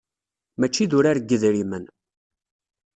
Mačči d urar n yidrimen.